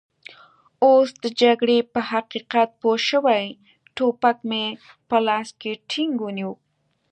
اوس د جګړې په حقیقت پوه شوي، ټوپک مې په لاس کې ټینګ ونیو.